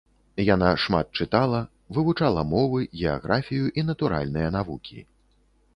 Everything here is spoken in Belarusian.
Яна шмат чытала, вывучала мовы, геаграфію і натуральныя навукі.